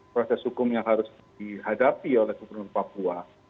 proses hukum yang harus dihadapi oleh gubernur papua